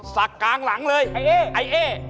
สักกลางหลังเลยไอ้เอ๊ไอ้เอ๊